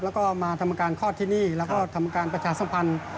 แล้วก็มาทำการคลอดที่นี่แล้วก็ทำการประชาสัมพันธ์